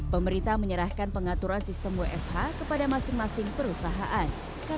pemerintah menyerahkan pengaturan sistem wfh kepada masing masing perusahaan